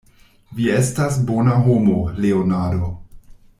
Vi estas bona homo, Leonardo.